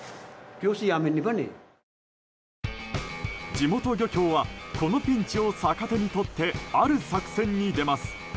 地元漁協はこのピンチを逆手にとってある作戦に出ます。